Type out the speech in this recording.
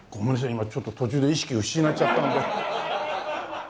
今ちょっと途中で意識失っちゃったので。